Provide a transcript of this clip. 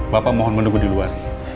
bapak mohon menunggu di luar